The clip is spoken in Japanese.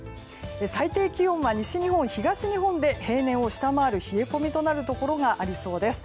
最低気温は西日本、東日本で平年を下回る冷え込みとなるところがありそうです。